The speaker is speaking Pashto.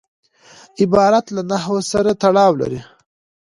عبارت له نحو سره تړاو لري.